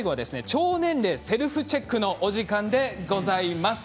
腸年齢セルフチェックのお時間でございます。